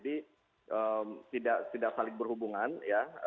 tidak saling berhubungan ya